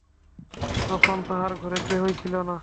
তখন তাঁহার ঘরে কেহ ছিল না।